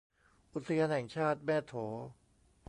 อุทยานแห่งชาติแม่โถ